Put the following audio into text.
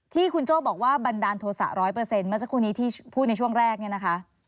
ที่คุณโจ้บอกว่าบันดาลโทษะ๑๐๐เมื่อสักครู่นี้ที่พูดในช่วงแรกเนี่ยนะคะ